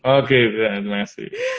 oke terima kasih